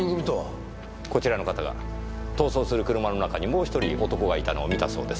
こちらの方が逃走する車の中にもう１人男がいたのを見たそうです。